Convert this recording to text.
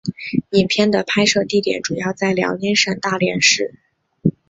影片的拍摄地点主要在辽宁省大连市。